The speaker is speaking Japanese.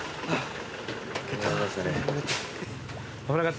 あっ。